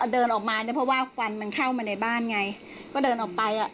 เดินออกมาเนี่ยเพราะว่าควันมันเข้ามาในบ้านไงก็เดินออกไปอ่ะ